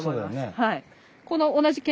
はい。